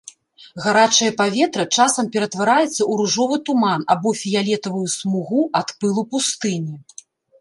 Гарачае паветра часам ператвараецца ў ружовы туман або фіялетавую смугу ад пылу пустыні.